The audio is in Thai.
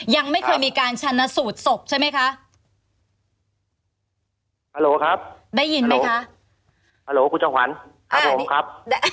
ยังไม่เคยมีการชันสูตรศพใช่ไหมคะครับได้ยินไหมคะครับครับ